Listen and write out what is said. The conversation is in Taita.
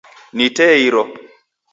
Ni tee iro.